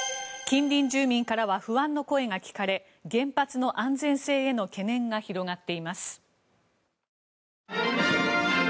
近隣住民からは不安の声が聞かれ原発の安全性への懸念が広がっています。